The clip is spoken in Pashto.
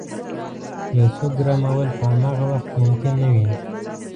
یو څوک ګرمول په همغه وخت ممکن نه وي.